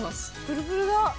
プルプルだ！